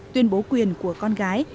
tuyên bố quyền của con gái